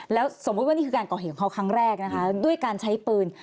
แล้วสมมุติว่านี่คือการก่อเหตุของเขาครั้งแรกนะคะด้วยการใช้ปืน